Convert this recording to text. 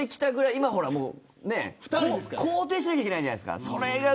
今は、肯定しなきゃいけないじゃないですか。